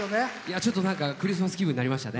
ちょっとクリスマス気分になりましたね。